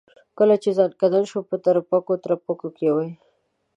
کله چې ځنکدن شو په ترپکو ترپکو کې و.